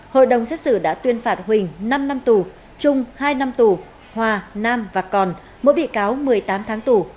hội đồng xét xử đã tuyên phạt huỳnh năm năm tù trung hai năm tù hòa nam và còn mỗi bị cáo một mươi tám tháng tù